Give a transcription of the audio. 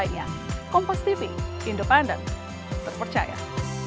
itu saja dari saya terima kasih